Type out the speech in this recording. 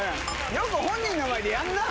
よく本人の前でやるなぁ！